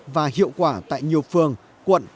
và hiệu quả tại nhiều phường quận